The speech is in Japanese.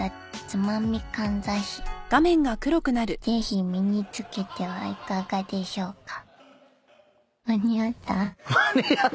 ［ぜひ身に付けてはいかがでしょうか？］